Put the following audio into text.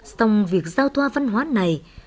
song việc giao thoa văn hóa này